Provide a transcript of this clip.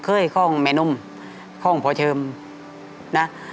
เคยห้องแม่นุ่มห้องพอเทิมนะ